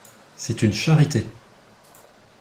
C'est une charité.